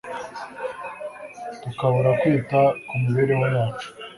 tukabura kwita ku mibereho yacu